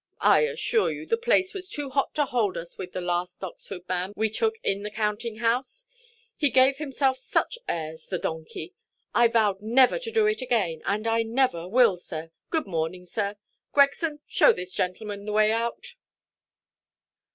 I assure you, the place was too hot to hold us with the last Oxford man we took in the counting–house; he gave himself such airs, the donkey! I vowed never to do it again: and I never will, sir. Good morning, sir; Gregson, show this gentleman the way out."